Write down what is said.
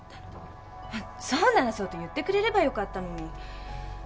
そうならそうと言ってくれればよかったのに。